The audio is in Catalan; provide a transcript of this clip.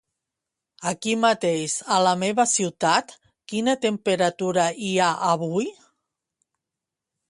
Aquí mateix, a la meva ciutat, quina temperatura hi ha avui?